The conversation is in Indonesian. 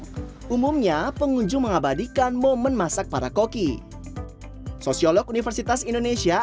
umumnya pengunjung mengabadikan momen masak para koki sosiolog universitas indonesia